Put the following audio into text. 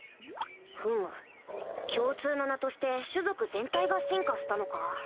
ふむ共通の名として種族全体が進化したのか。